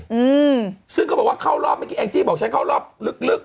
อืมซึ่งเขาบอกว่าเข้ารอบเมื่อกี้แองจี้บอกฉันเข้ารอบลึกลึก